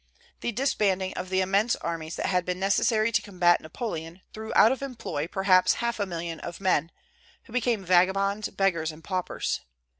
The disbanding of the immense armies that had been necessary to combat Napoleon threw out of employ perhaps half a million of men, who became vagabonds, beggars, and paupers.